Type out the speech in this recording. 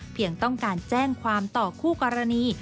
ต้องการแจ้งความต่อคู่กรณี